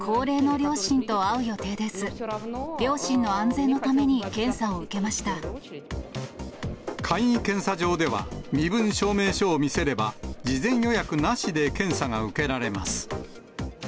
両親の安全のために検査を受けま簡易検査場では、身分証明書を見せれば、事前予約なしで検査が受けられます。